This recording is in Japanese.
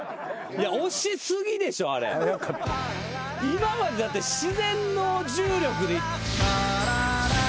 今までだって自然の重力で。